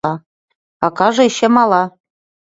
Акаже эше мала.